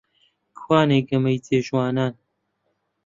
کوانێ گەمەی جێ ژوانان؟